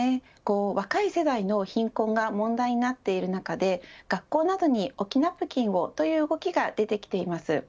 若い世代の貧困が問題になっている中で学校などに置きナプキンをという動きが出てきています。